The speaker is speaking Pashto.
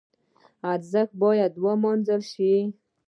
ارزښت باید ولمانځل شي.